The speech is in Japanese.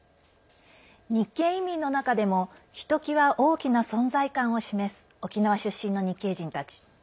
日系移民の中でもひときわ大きな存在感を示す沖縄出身の日系人たち。